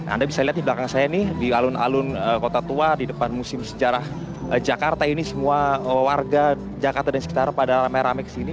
anda bisa lihat di belakang saya ini di alun alun kota tua di depan musim sejarah jakarta ini semua warga jakarta dan sekitar pada rame rame kesini